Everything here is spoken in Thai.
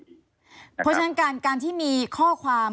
เพราะฉะนั้นการที่มีข้อความ